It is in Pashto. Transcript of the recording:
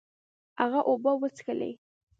هغه اوبه وڅښلې.